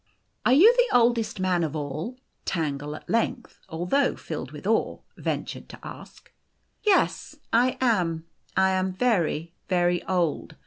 " Are you the oldest man of all ?" Tangle at length, although filled with awe, ventured to ask. O " Yes, I am. I am very, very old.